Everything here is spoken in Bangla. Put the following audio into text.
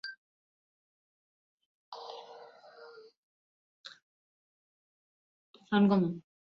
দেশে স্বাস্থ্যসম্মত কসাইখানার অভাবে ভালো মানের মাংস খাওয়া থেকে মানুষ বঞ্চিত হচ্ছে।